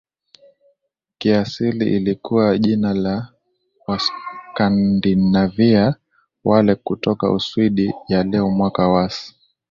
kiasili ilikuwa jina la Waskandinavia wale kutoka Uswidi ya leo Mwaka was